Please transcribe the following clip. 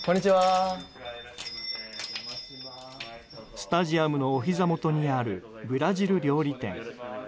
スタジアムのおひざ元にあるブラジル料理店。